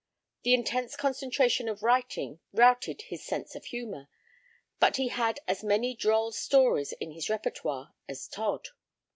The intense concentration of writing routed his sense of humor, but he had as many droll stories in his repertoire as Todd.